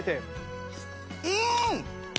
うん！